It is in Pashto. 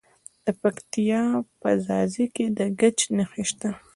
د پکتیا په ځاځي کې د ګچ نښې شته.